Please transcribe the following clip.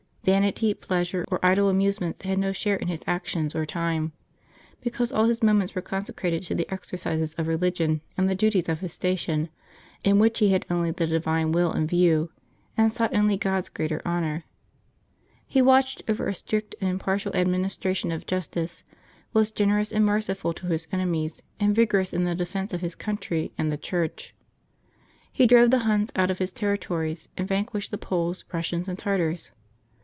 Vanity, pleasure, or idle amusements had no share in his actions or time, because all his moments were consecrated to the exercises of religion and the duties of his station, in which he had only the divine will in view, and sought only God's greater honor. He watched over a strict and impartial administration of justice, was generous and merciful to his enemies, and vigorous in the defence of his country and the Church. He drove the Huns out of his territories, and vanquished the Poles, Eussians, and Tartars.